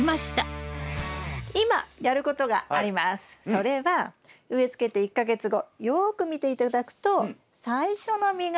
それは植えつけて１か月後よく見て頂くと最初の実ができています。